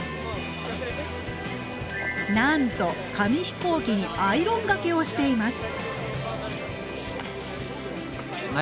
なんと紙飛行機にアイロンがけをしています。